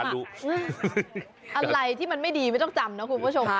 อะไรที่มันไม่ดีไม่ต้องจำนะคุณผู้ชม